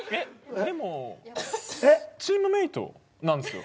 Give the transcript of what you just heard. でもチームメートなんですよ。